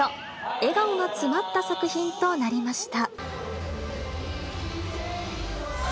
笑顔が詰まった作品となりました。